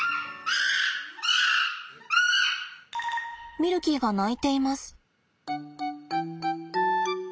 ミルキーが鳴いています。